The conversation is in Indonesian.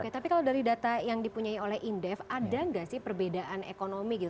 oke tapi kalau dari data yang dipunyai oleh indef ada nggak sih perbedaan ekonomi gitu